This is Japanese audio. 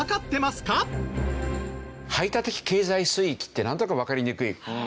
排他的経済水域ってなんとなくわかりにくい。